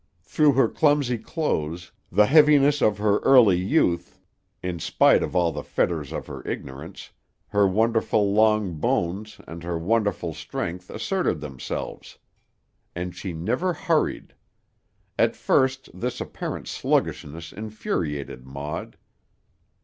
Through her clumsy clothes, the heaviness of her early youth, in spite of all the fetters of her ignorance, her wonderful long bones and her wonderful strength asserted themselves. And she never hurried. At first this apparent sluggishness infuriated Maud.